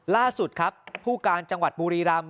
ล่าสุดครับผู้การจังหวัดบุรีรำ